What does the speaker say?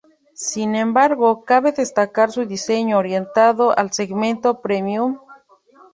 Sin embargo cabe destacar su diseño orientado al segmento premium.